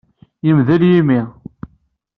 Yemdel yimi.